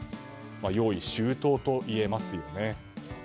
用意周到といえますよね。